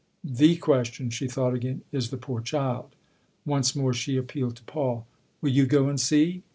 " The question " she thought again " is the poor child." Once more she appealed to Paul. " Will you go and see?"